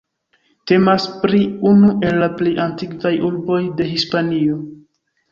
Temas pri unu el la plej antikvaj urboj de Hispanio.